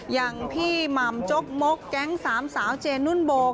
อย่างพี่หม่ำจกมกแก๊งสามสาวเจนุ่นโบก